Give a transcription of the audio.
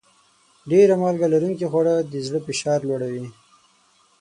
ډېر مالګه لرونکي خواړه د زړه فشار لوړوي.